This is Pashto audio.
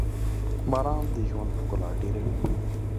• باران د ژوند ښکلا ډېروي.